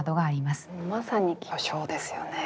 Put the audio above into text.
まさに巨匠ですよね。